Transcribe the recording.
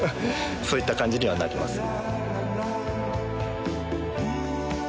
そういった感じにはなりますね。